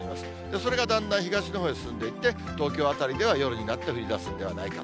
それがだんだん東のほうへ進んでいって、東京辺りでは夜になって降りだすのではないかと。